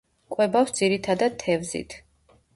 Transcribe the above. კვებავს ძირითადად თევზით.